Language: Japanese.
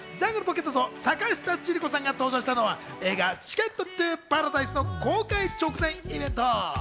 ジャングルポケットと坂下千里子さんが登場したのは映画『チケット・トゥ・パラダイス』の公開直前イベント。